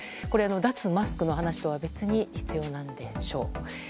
脱マスクの話とは別に必要なんでしょう。